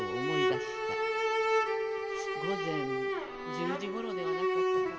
午前１０時頃ではなかったかと」。